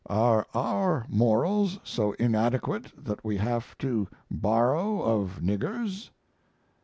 Are our morals so inadequate that we have to borrow of niggers?"